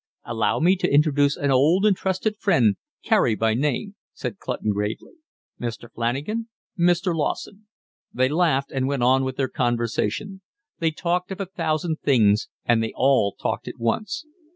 "Allow me to introduce an old and trusted friend, Carey by name," said Clutton gravely. "Mr. Flanagan, Mr. Lawson." They laughed and went on with their conversation. They talked of a thousand things, and they all talked at once.